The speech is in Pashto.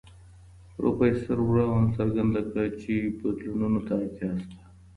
پروفيسر براون څرګنده کړه چی بدلونونو ته اړتيا سته.